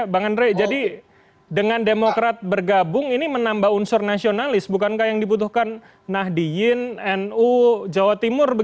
bang andre jadi dengan demokrat bergabung ini menambah unsur nasionalis bukankah yang dibutuhkan nahdiyin nu jawa timur